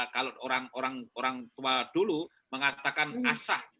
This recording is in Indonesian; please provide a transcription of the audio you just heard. kalau orang tua dulu mengatakan asah